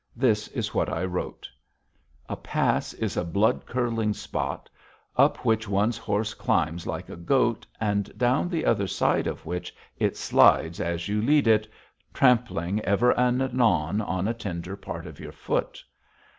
This is what I wrote: A pass is a blood curdling spot up which one's horse climbs like a goat and down the other side of which it slides as you lead it, trampling ever and anon on a tender part of your foot.